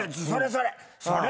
それそれ。